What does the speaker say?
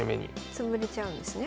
潰れちゃうんですね。